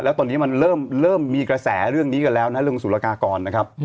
แล้วตอนนี้มันเริ่มมีกระแสเรื่องนี้กันแล้วนะเรื่องสุรกากรนะครับ